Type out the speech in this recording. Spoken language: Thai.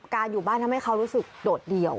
อยู่บ้านทำให้เขารู้สึกโดดเดี่ยว